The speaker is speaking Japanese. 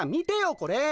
これ。